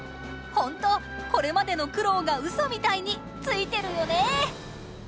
ホントこれまでの苦労がウソみたいにツイてるよね！